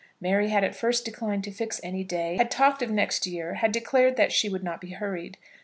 Mary had at first declined to fix any day, had talked of next year, had declared that she would not be hurried.